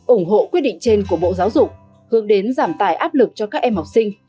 ủng hộ quyết định trên của bộ giáo dục hướng đến giảm tài áp lực cho các em học sinh